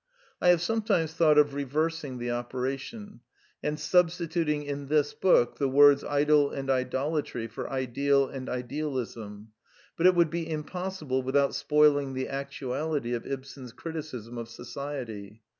I have sometimes thought of reversing the opera tion, and substituting in this book the words idol and idolatry for ideal and idealism ; but it would be impossible without spoiling the actuality of Ibsen's criticism of society.